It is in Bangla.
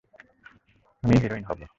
আমি হিরোইন হবো।